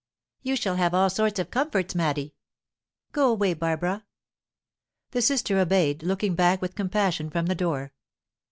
"You shall have all sorts of comforts, Maddy." "Go away, Barbara." The sister obeyed, looking back with compassion from the door.